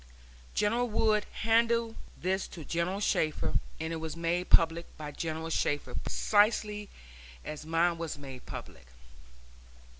General Wood handed this to General Shafter, and it was made public by General Shafter precisely as mine was made public.